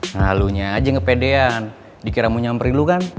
nah lu nya aja yang kepedean dikira mau nyamperin lu kan